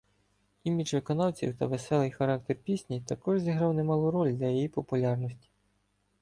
Імідж виконавців та веселий характер пісні також зіграв немалу роль для її популярності.